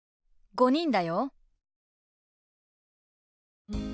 「５人だよ」。